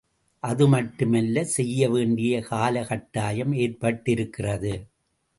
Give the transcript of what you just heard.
அதுமட்டுமல்ல செய்யவேண்டிய காலகட்டாயம் ஏற்பட்டிருக்கிறது.